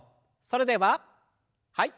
それでははい。